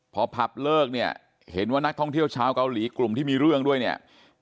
พอผับเลิกเนี่ยเห็นว่านักท่องเที่ยวชาวเกาหลีกลุ่มที่มีเรื่องด้วยเนี่ย